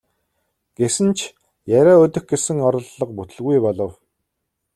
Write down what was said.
Гэсэн ч яриа өдөх гэсэн оролдлого бүтэлгүй болов.